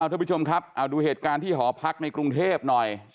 ทุกผู้ชมครับเอาดูเหตุการณ์ที่หอพักในกรุงเทพหน่อย